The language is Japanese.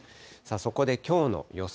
そこできょうの予想